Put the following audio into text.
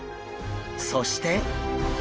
そして！